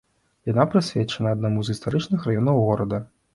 Яна прысвечаная аднаму з гістарычных раёнаў горада.